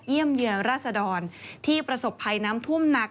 เยี่ยมเยือราศดรที่ประสบภัยน้ำท่วมหนัก